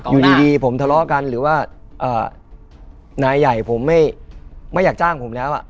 อยู่ดีผมทะเลาะกันหรือว่านายใหญ่ผมไม่อยากจ้างผมแล้ว